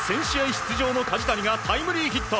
出場の梶谷がタイムリーヒット！